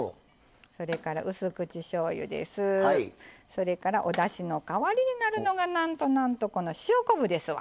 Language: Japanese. それからおだしの代わりになるのがなんとなんとこの塩昆布ですわ。